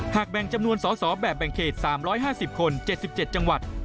แบ่งจำนวนสอสอแบบแบ่งเขต๓๕๐คน๗๗จังหวัด